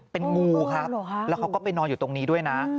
เป็นงูครับแล้วเขาก็ไปนอนอยู่ตรงนี้ด้วยนะ